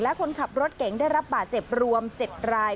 และคนขับรถเก๋งได้รับบาดเจ็บรวม๗ราย